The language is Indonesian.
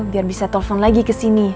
biar bisa telpon lagi kesini